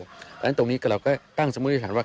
เพราะฉะนั้นตรงนี้เราก็ตั้งสมบูรณ์ด้วยทางว่า